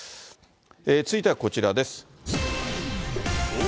続いてはこちらです。